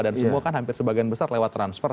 dan semua kan hampir sebagian besar lewat transfer